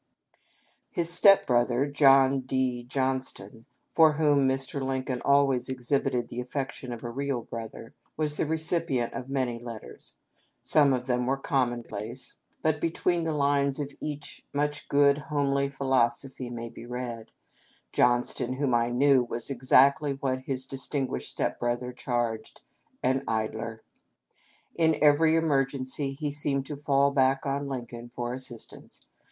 His step brother, John D. Johnston, for whom Mr. Lincoln always exhibited the affection of a real brother, was the recip ient of many letters. Some of them were commonplace, but 613 6l4 APPENDIX. between the lines of each much good, homely philosophy may be read. Johnston, whom I knew, was exactly what his dis tinguished step brother charged— an idler. In every emer gency he seemed to fall back on Lincoln for assistance.